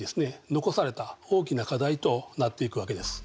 残された大きな課題となっていくわけです。